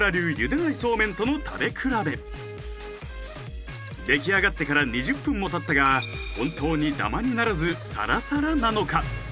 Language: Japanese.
茹でないそうめんとの食べ比べできあがってから２０分も経ったが本当にダマにならずサラサラなのか？